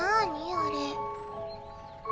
あれ。